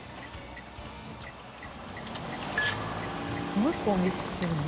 もう１個お店してるの？